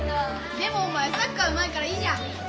でもお前サッカーうまいからいいじゃん！